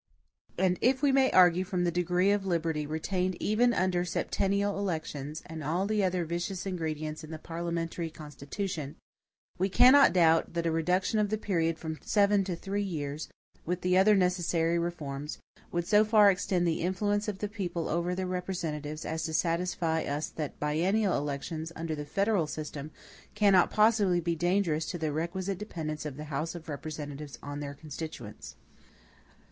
And if we may argue from the degree of liberty retained even under septennial elections, and all the other vicious ingredients in the parliamentary constitution, we cannot doubt that a reduction of the period from seven to three years, with the other necessary reforms, would so far extend the influence of the people over their representatives as to satisfy us that biennial elections, under the federal system, cannot possibly be dangerous to the requisite dependence of the House of Representatives on their constituents.